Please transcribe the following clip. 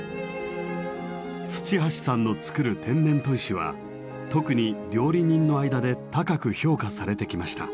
土橋さんの作る天然砥石は特に料理人の間で高く評価されてきました。